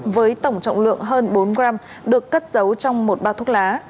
với tổng trọng lượng hơn bốn gram được cất giấu trong một bao thuốc lá